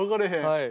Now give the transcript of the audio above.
はい。